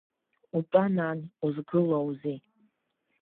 Утәа, нан, узгылоузеи!